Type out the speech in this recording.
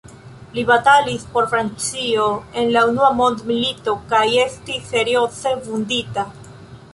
Li batalis por Francio en la Unua Mondmilito kaj estis serioze vundita.